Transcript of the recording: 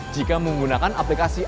jika menggunakan aplikasi